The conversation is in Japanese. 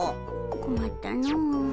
こまったの。